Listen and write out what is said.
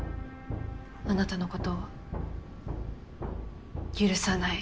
あなたのことを許さない。